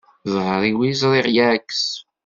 Ẓẓher-iw i ẓriɣ yeɛkes.